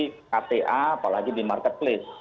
kta apalagi di marketplace